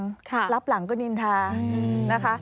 แล้วก็ต่อเดียวเปื่อนลับหลังก็นินทาง